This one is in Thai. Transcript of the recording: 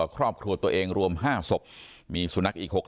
ครอบครัวตัวเองรวม๕ศพมีสุนัขอีก๖คน